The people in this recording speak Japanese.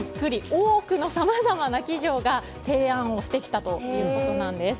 多くのさまざまな企業が提案をしてきたということなんです。